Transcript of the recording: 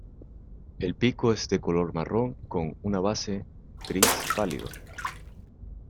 El pico es de color marrón con una base gris pálido.